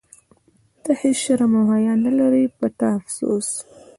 ته هیڅ شرم او حیا نه لرې، په تا افسوس.